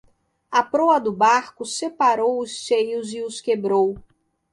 A proa do barco separou os seios e os quebrou.